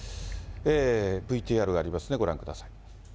ＶＴＲがありますのでご覧ください。